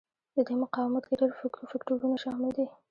د دې مقاومت کې ډېر فکټورونه شامل دي.